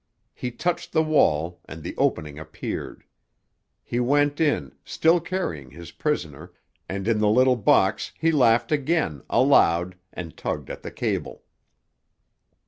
He touched the wall, and the opening appeared. He went in, still carrying his prisoner, and in the little box he laughed again, aloud, and tugged at the cable.